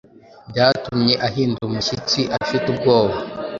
byatumye ahinda umushitsi afite ubwoba.